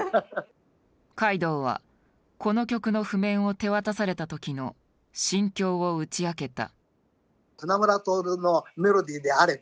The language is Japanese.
海道はこの曲の譜面を手渡された時の心境を打ち明けた。